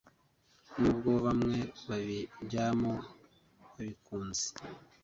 Nubwo bamwe babijyamo babikunze